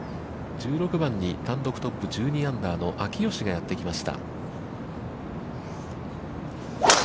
１６番に単独トップの１２アンダーの秋吉がやってきました。